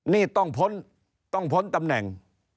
นี่ต้องพ้นต้องพ้นตำแหน่ง